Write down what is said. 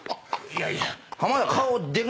「いやいや」